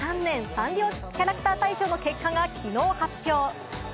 サンリオキャラクター大賞の結果が昨日発表。